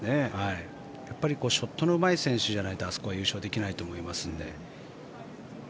やっぱりショットのうまい選手じゃないとあそこは優勝できないと思いますので。